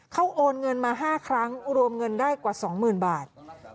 เขาโอนเงินมา๕ครั้งรวมเงินได้กว่า๒๐๐๐บาท